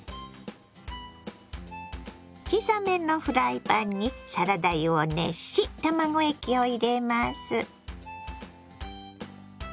小さめのフライパンにサラダ油を熱し卵液を入れます。